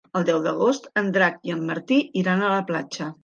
El deu d'agost en Drac i en Martí iran a la platja.